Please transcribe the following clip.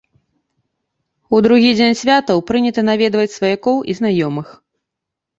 У другі дзень святаў прынята наведваць сваякоў і знаёмых.